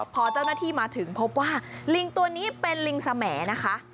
พอเจ้าหน้าที่มาถึงพบว่าลิงตัวนี้เป็นลิงสมนะคะ